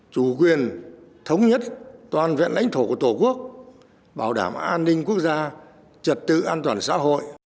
chủ quyền thống nhất toàn vẹn lãnh thổ của tổ quốc bảo đảm an ninh quốc gia trật tự an toàn xã hội